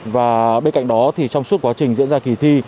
và bên cạnh đó thì trong suốt quá trình diễn ra kỳ thi